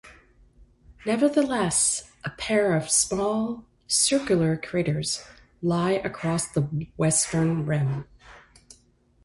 Nevertheless, a pair of small, circular craters lie across the western rim.